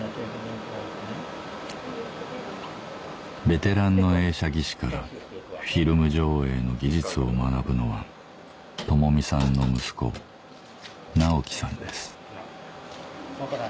ベテランの映写技師からフィルム上映の技術を学ぶのは智巳さんの息子直樹さんです